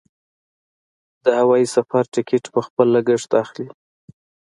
د هوايي سفر ټکټ په خپل لګښت اخلي.